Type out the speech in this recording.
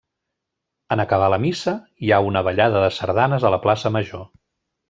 En acabar la missa, hi ha una ballada de sardanes a la Plaça Major.